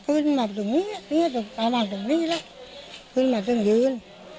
ขึ้นมาตรงนี้ประมาณตรงนี้แหละขึ้นมาตรงยืน